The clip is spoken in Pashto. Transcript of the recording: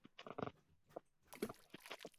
برټانوي هند افضل الملک په رسمیت وپېژانده.